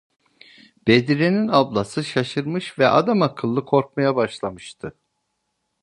Bedri’nin ablası şaşırmış ve adamakıllı korkmaya başlamıştı.